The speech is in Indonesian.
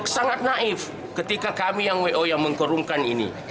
sangat naif ketika kami yang wo yang mengkurungkan ini